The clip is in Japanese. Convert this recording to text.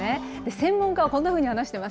専門家は、こんなふうに話しています。